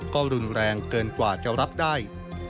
ก็รุนแรงเกินกว่าจะรับได้